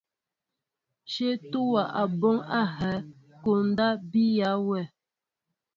Shéé tuya a ɓɔ ahɛɛ, koondaan biya wɛʼ.